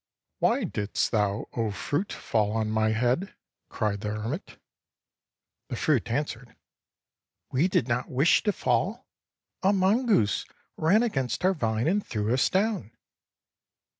" Why didst thou, 0 fruit, fall on my head? " cried the hermit. The frmt answered: "We did not wish to fall; a mon goose ran against our vine and threw us down."